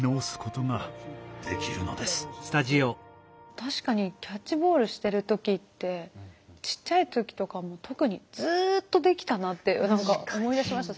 確かにキャッチボールしてる時ってちっちゃい時とかも特にずっとできたなって何か思い出しました。